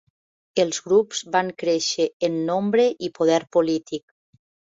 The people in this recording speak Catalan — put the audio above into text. Els grups van créixer en nombre i poder polític.